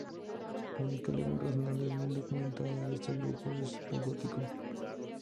La única lengua razonablemente bien documentada de este grupo es el gótico.